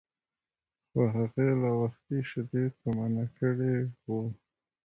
خو هغې لا وختي شیدې تومنه کړي وو.